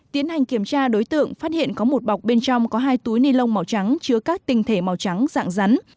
tiến hành kiểm tra đối tượng phát hiện có một bọc bên trong có hai túi ni lông màu trắng chứa các tinh thể màu trắng dạng rắn